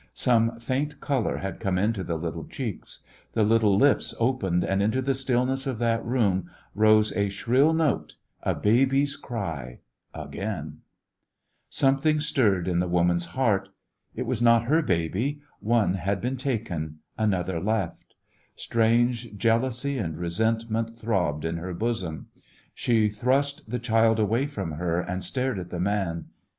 Some faint color had come into the little cheeks. The little lips opened, and into the stillness of that room rose a shrill note, a baby's cry again t Something stirred in the woman's heart. It was not her baby; one had been taken, another left. Strange The West Was Yoimg jealousy and resentment throbbed in her bosom. She thrust the child away from her and stared at the man.